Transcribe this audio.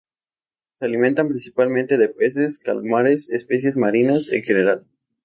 Se alimentan principalmente de peces, calamares, especies marinas en general.